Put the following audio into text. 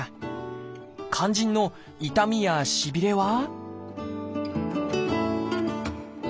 肝心の痛みやしびれは？